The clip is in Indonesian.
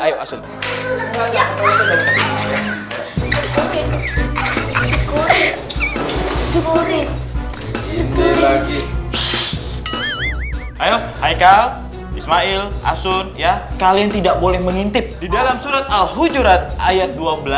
ayo haikal ismail asun kalian tidak boleh mengintip di dalam surat al hujurat ayat dua belas